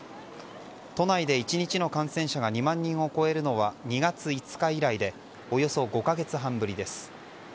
都内で１日の感染者が２万人を超えるのは２月５日以来でおよそ５か月半ぶりです。